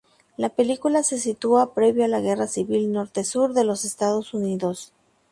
La película se sitúa previo a la guerra civil norte-sur de los Estados Unidos.